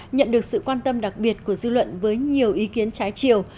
nhận được sự quan tâm đặc biệt của dư luận với nhiều ý kiến trái chiều